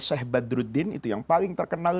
sheikh badruddin itu yang paling terkenal